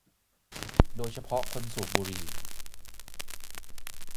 โดยเฉพาะคนสูบบุหรี่